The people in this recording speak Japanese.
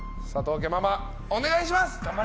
家ママ、お願いします。